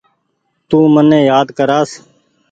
تو مني يآد ڪرآس ۔